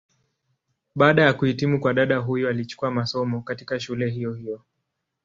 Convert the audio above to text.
Baada ya kuhitimu kwa dada huyu alichukua masomo, katika shule hiyo hiyo.